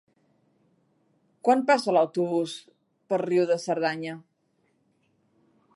Quan passa l'autobús per Riu de Cerdanya?